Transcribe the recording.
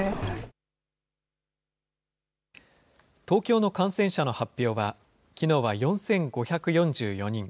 東京の感染者の発表は、きのうは４５４４人。